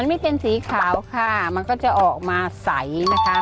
นี่เป็นสีขาวค่ะมันก็จะออกมาใสนะคะ